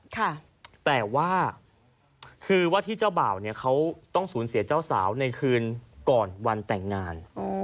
แต่ว่าคือว่าที่เจ้าบ่าวเนี่ยเขาต้องสูญเสียเจ้าสาวในคืนก่อนวันแต่งงาน